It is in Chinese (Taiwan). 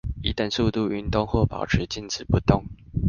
以等速度運動或保持靜止不動